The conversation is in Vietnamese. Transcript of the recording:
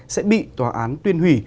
sẽ bị tòa án tuyên hủy